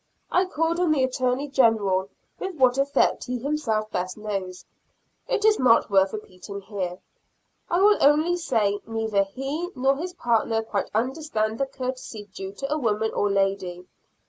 I called on the Attorney General, with what effect he himself best knows; it is not worth repeating here. I will only say, neither he nor his partner quite understand the courtesy due to a woman or lady.